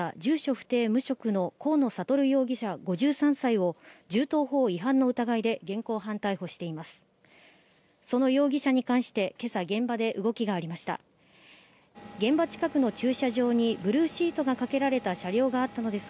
不定・無職の河野智容疑者、５３歳を銃刀法違反の疑いで現行犯逮捕しています。